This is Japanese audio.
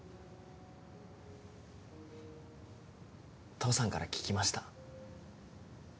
父さんから聞きました